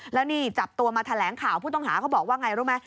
แล้วนี่จับตัวมาแถลงข่าวผู้ต้องหาเขาบอกว่าไงรู้ไหม